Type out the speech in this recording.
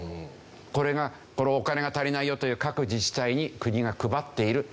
これがこのお金が足りないよという各自治体に国が配っている。